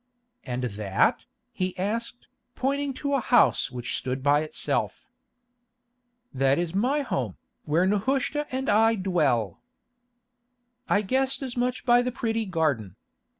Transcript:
"And that?" he asked, pointing to a house which stood by itself. "That is my home, where Nehushta and I dwell." "I guessed as much by the pretty garden."